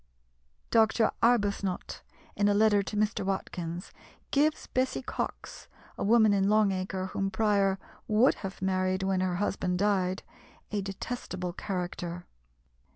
Dr. Arbuthnot, in a letter to Mr. Watkins, gives Bessy Cox a woman in Long Acre whom Prior would have married when her husband died a detestable character.